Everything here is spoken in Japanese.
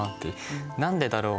何でだろう？